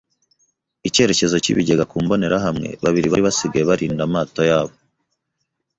icyerekezo cyibigega ku mbonerahamwe. Babiri bari basigaye barinda amato yabo